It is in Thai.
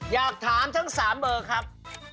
อยากถามทั้ง๓เบอร์ครับ